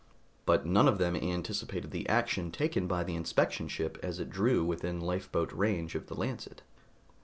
But none of them anticipated the action taken by the inspection ship as it drew within lifeboat range of the Lancet.